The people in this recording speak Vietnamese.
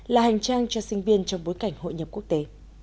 là hành trang cho sinh viên trong bối cảnh hội nhập quốc tế